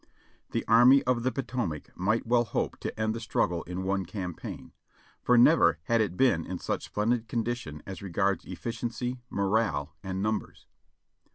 The Army of the Potomac might well hope to end the struggle in one campaign ; for never had it been in such splendid condition as regards efficiency, morale and numbers.